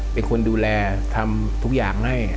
เป็นคนดูแลทำทุกอย่างให้